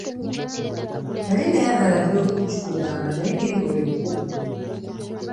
Nali nayagala dda okukiggamba naye ne mbulwa ekkubo!